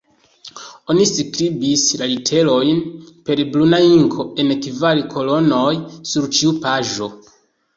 Oni skribis la literojn per bruna inko, en kvar kolonoj sur ĉiu paĝo.